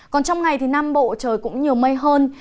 còn trong ngày thì nam bộ trời cũng nhiều mây hơn